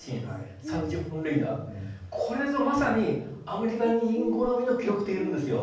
これぞまさにアメリカ人好みの記録といえるんですよ。